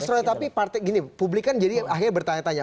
mas roya tapi gini publik kan akhirnya bertanya tanya